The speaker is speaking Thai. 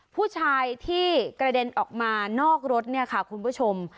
ผู้ชายที่กระเด็นออกมานอกรถเนี่ยค่ะคุณผู้ชม